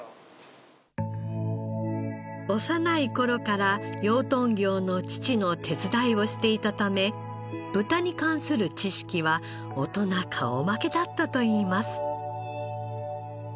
幼い頃から養豚業の父の手伝いをしていたため豚に関する知識は大人顔負けだったといいます。